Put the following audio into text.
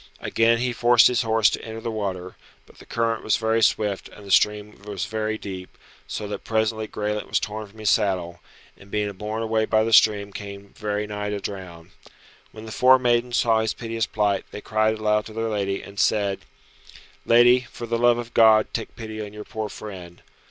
Again he forced his horse to enter the water; but the current was very swift and the stream was very deep, so that presently Graelent was torn from his saddle, and being borne away by the stream came very nigh to drown. When the four maidens saw his piteous plight they cried aloud to their lady, and said, "Lady, for the love of God, take pity on your poor friend.